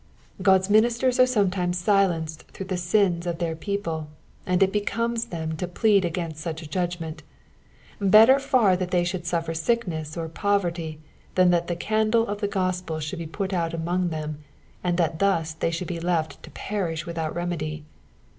God's ministers are sometimes silenced through the sins of their people, and it becomes them to plead against such a judgment ; better far that tney should suffer sickness or poverty than that the candle of the gospel should be put out among them, and that thus they should be left to perish without remedy.